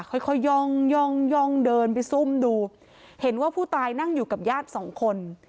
ค่อยค่อยย่องย่องย่องเดินไปซุ่มดูเห็นว่าผู้ตายนั่งอยู่กับญาติสองคน